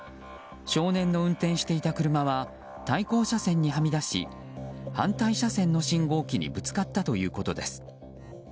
少年の運転していた車は対向車線にはみ出し反対車線の信号機にぶつかったということです。